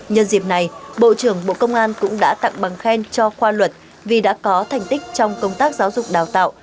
nhân dịp này bộ trưởng bộ công an cũng đã tặng bằng khen cho khoa luật vì đã có thành tích trong công tác giáo dục đào tạo